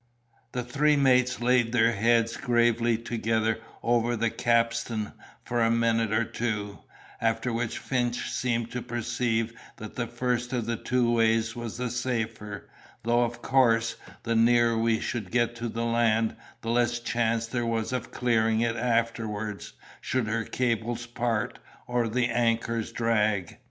"The three mates laid their heads gravely together over the capstan for a minute or two, after which Finch seemed to perceive that the first of the two ways was the safer; though, of course, the nearer we should get to the land, the less chance there was of clearing it afterwards, should her cables part, or the anchors drag.